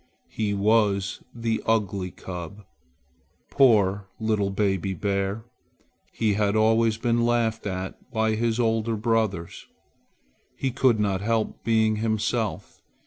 He was the ugly cub. Poor little baby bear! he had always been laughed at by his older brothers. He could not help being himself.